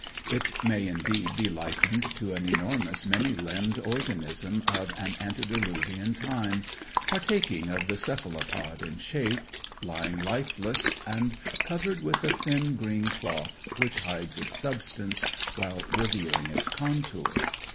It may indeed be likened to an enormous many limbed organism of an antediluvian time partaking of the cephalopod in shape lying lifeless, and covered with a thin green cloth, which hides its substance, while revealing its contour.